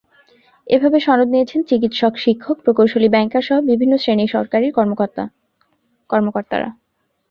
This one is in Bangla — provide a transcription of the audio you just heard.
এভাবে সনদ নিয়েছেন চিকিৎসক, শিক্ষক, প্রকৌশলী, ব্যাংকারসহ বিভিন্ন শ্রেণীর সরকারি কর্মকর্তারা।